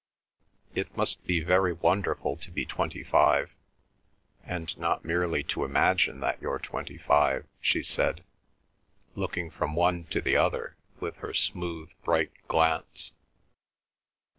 "It must be very wonderful to be twenty five, and not merely to imagine that you're twenty five," she said, looking from one to the other with her smooth, bright glance.